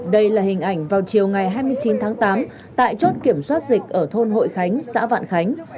đây là hình ảnh vào chiều ngày hai mươi chín tháng tám tại chốt kiểm soát dịch ở thôn hội khánh xã vạn khánh